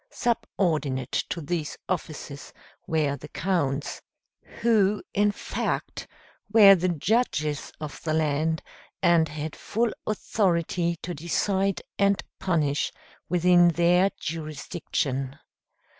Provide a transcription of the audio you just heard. Subordinate to these officers were the Counts, who, in fact, were the judges of the land, and had full authority to decide and punish within their jurisdiction.